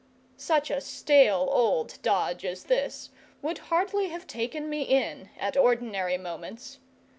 Such a stale old dodge as this would hardly have taken me in at ordinary moments.